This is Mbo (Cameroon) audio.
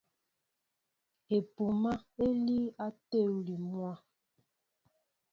Epúmā é líí á téwili mwǎ.